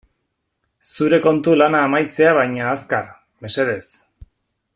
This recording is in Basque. Zure kontu lana amaitzea baina azkar, mesedez.